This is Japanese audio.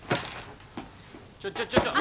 ちょちょっと！